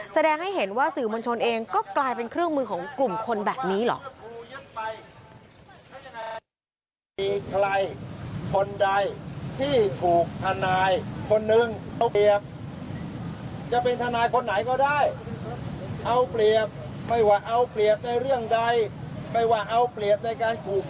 แสดงให้เห็นว่าสื่อมวลชนเองก็กลายเป็นเครื่องมือของกลุ่มคนแบบนี้เหรอ